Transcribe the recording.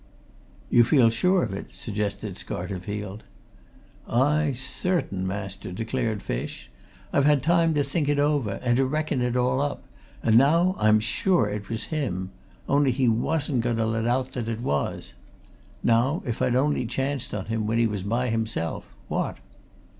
"You feel sure of it?" suggested Scarterfield. "Aye, certain, master!" declared Fish. "I've had time to think it over, and to reckon it all up, and now I'm sure it was him only he wasn't going to let out that it was. Now, if I'd only chanced on him when he was by himself, what?"